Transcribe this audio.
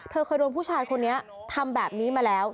เคยโดนผู้ชายคนนี้ทำแบบนี้มาแล้ว